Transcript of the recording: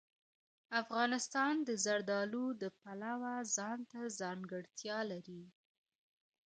افغانستان د زردالو د پلوه ځانته ځانګړتیا لري.